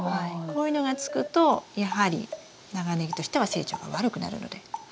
こういうのがつくとやはり長ネギとしては成長が悪くなるので。